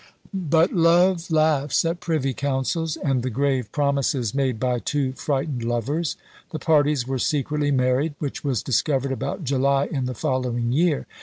But Love laughs at privy councils and the grave promises made by two frightened lovers. The parties were secretly married, which was discovered about July in the following year.